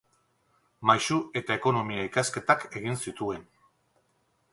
Maisu eta ekonomia ikasketak egin zituen.